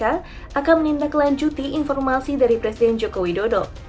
akan menindaklanjuti informasi dari presiden joko widodo